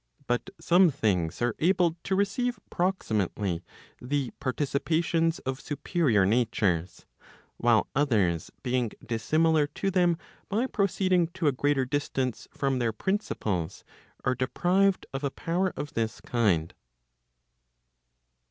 But some things are able to receive proximately the participations * of superior natures ; while others being dissimilar to them by proceeding to a greater distance from their principles, are deprived of a power of this kind.